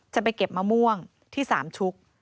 จะไปเก็บมะม่วงที่สามชุก